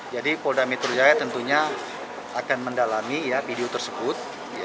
jadi polda metro jaya tentunya akan mendalami video tersebut